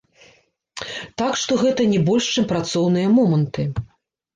Так што гэта не больш чым працоўныя моманты.